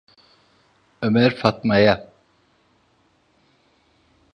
Ömer Fatma’ya: